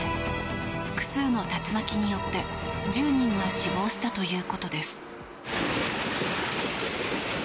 複数の竜巻によって、１０人が死亡したということです。